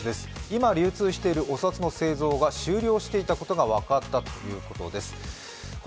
今流通しているお札の製造が終了していたということです。